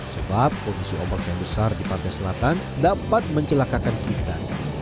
sebab kondisi ombak yang besar di pantai selatan dapat mencelakakan kita